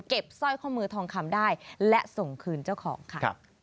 สร้อยข้อมือทองคำได้และส่งคืนเจ้าของค่ะ